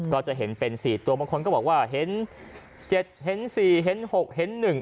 ก็จะเห็นเป็น๔ตัวบางคนก็บอกว่าเห็น๗เห็น๔เห็น๖เห็น๑